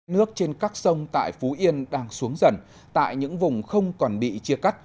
nước trên các sông tại phú yên đang xuống dần tại những vùng không còn bị chia cắt